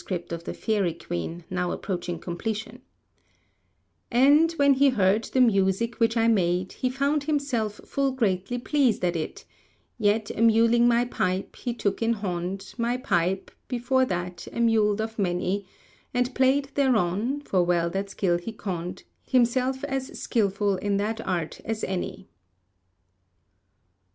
of the Faery Queen, now approaching completion,) And, when he heard the music which I made, He found himself full greatly pleased at it; Yet æmuling my pipe, he took in hond My pipe, before that, æmulèd of many, And played thereon (for well that skill he conned), Himself as skilful in that art as any.